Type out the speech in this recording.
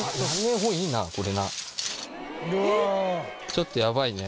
ちょっとやばいね。